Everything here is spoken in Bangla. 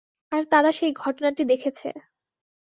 আর তারা সেই ঘটনাটি দেখেছে।